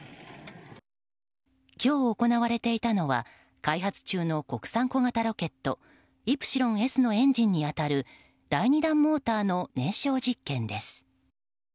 今日行われていたのは開発中の国産小型ロケット「イプシロンＳ」のエンジンに当たる第２段モーターの燃焼実験です。